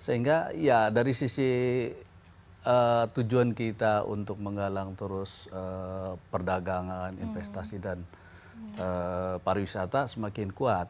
sehingga ya dari sisi tujuan kita untuk menggalang terus perdagangan investasi dan pariwisata semakin kuat